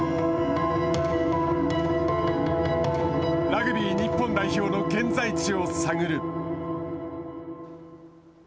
ラグビー日本代表の現在地を探る。